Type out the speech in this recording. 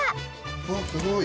うわっすごい。